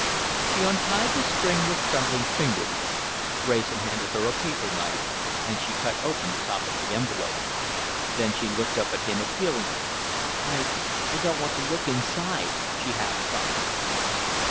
She untied the string with trembling fingers. Wrayson handed her a paper knife and she cut open the top of the envelope. Then she looked up at him appealingly. "I I don't want to look inside," she half sobbed.